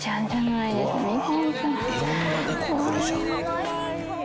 いろんな猫来るじゃん。